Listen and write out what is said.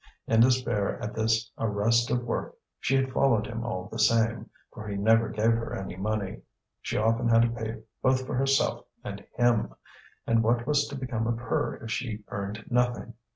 In despair at this arrest of work she had followed him all the same, for he never gave her any money; she often had to pay both for herself and him; and what was to become of her if she earned nothing?